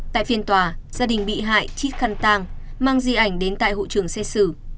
tại phiên tòa gia đình bị hại chít khăn tang mang di ảnh đến tại hộ trường xe sử